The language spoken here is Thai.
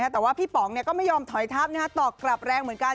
แต่ว่าพี่ป๋องก็ไม่ยอมถอยทับตอบกลับแรงเหมือนกัน